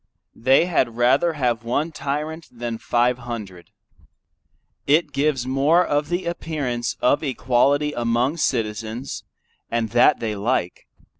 They had rather have one tyrant than five hundred. It gives more of the appearance of equality among Citizens, and that they like.